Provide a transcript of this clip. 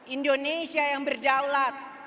indonesia yang berdaulat